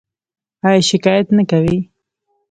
ایا شکایت نه کوئ؟